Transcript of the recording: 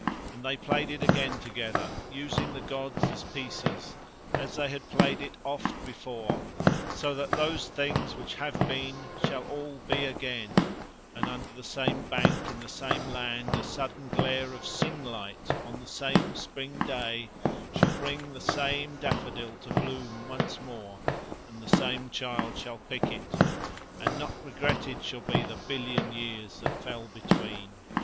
And they played it again together, using the gods as pieces, as they had played it oft before. So that those things which have been shall all be again, and under the same bank in the same land a sudden glare of sunlight on the same spring day shall bring the same daffodil to bloom once more and the same child shall pick it, and not regretted shall be the billion years that fell between.